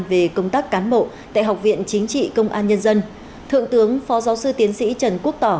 về công tác cán bộ tại học viện chính trị công an nhân dân thượng tướng phó giáo sư tiến sĩ trần quốc tỏ